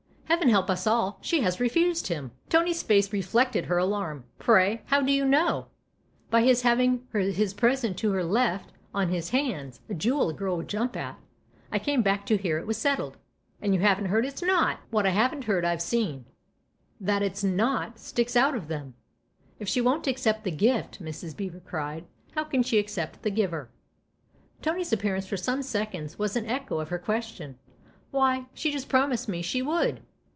" Heaven help us all she has refused him !" Tony's face reflected her alarm. " Pray, how do you know ?"" By his having his present to her left on his THE OTHER HOUSE 185 hands a jewel a girl would jump at ! I came back to hear it was settled " And you haven't heard it's not !" 11 What I haven't heard I've seen. That it's < not ' sticks out of them ! If she won't accept the gift," Mrs. Beever cried, "how can she accept the giver ?" Tony's appearance, for some seconds, was an echo of her question. "Why, she just promised me she would